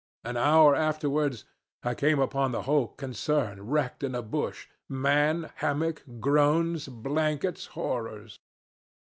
An hour afterwards I came upon the whole concern wrecked in a bush man, hammock, groans, blankets, horrors.